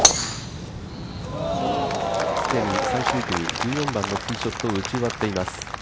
既に最終組、１４番のティーショットを打ち終わっています。